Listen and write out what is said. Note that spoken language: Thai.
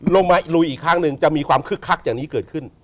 ลงมาลุยอีกครั้งหนึ่งจะมีความคึกคักอย่างนี้เกิดขึ้น